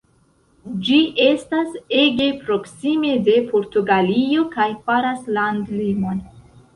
Ĝi estas ege proksime de Portugalio kaj faras landlimon.